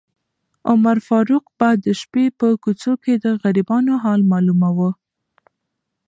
عمر فاروق به د شپې په کوڅو کې د غریبانو حال معلوماوه.